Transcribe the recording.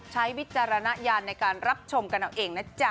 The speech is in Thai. วิจารณญาณในการรับชมกันเอาเองนะจ๊ะ